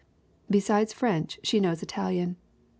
Besides French she knows Italian.